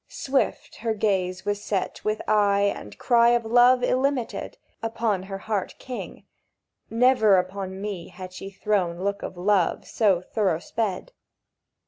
Swift her gaze was set With eye and cry of love illimited Upon her Heart king. Never upon me Had she thrown look of love so thorough sped!